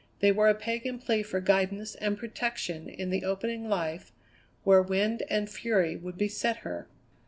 They were a pagan plea for guidance and protection in the opening life where wind and fury would beset her.